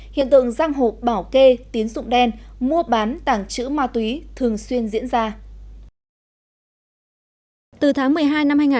hiện tượng răng hộp bảo kê tiến dụng đen mua bán tàng trữ ma túy thường xuyên diễn ra